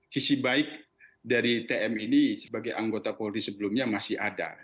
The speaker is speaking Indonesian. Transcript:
sisi baik dari tm ini sebagai anggota polri sebelumnya masih ada